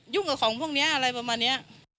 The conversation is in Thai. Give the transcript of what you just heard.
กับของพวกนี้อะไรประมาณนี้